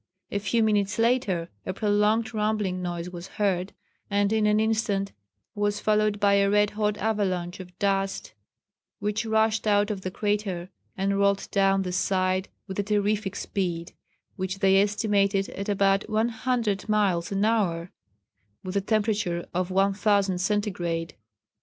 A few minutes later a prolonged rumbling noise was heard, and in an instant was followed by a red hot avalanche of dust, which rushed out of the crater and rolled down the side with a terrific speed, which they estimated at about 100 miles an hour, with a temperature of 1000° centigrade.